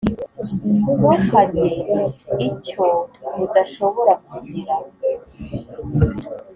ntukage icyo udashobora kugira